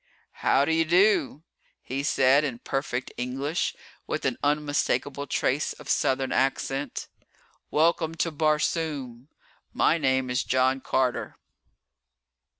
"How do you do?" he said in perfect English, with an unmistakable trace of Southern accent. "Welcome to Barsoom! My name is John Carter."